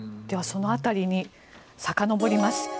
では、その辺りにさかのぼります。